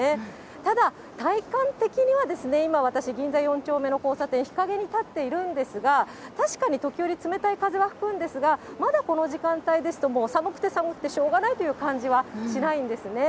ただ、体感的には今、私、銀座四丁目の交差点、日陰に立っているんですが、確かに時折、冷たい風は吹くんですが、まだこの時間帯ですと、もう、寒くて寒くてしょうがないという感じはしないんですね。